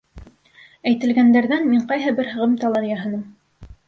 Әйтелгәндәрҙән мин ҡайһы бер һығымталар яһаным.